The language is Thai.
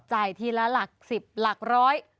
จ่ายทีละหลักสิบหลักร้อย